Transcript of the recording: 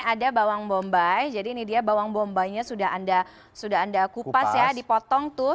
ada bawang bombay jadi ini dia bawang bombay nya sudah anda sudah anda kupas ya dipotong tuh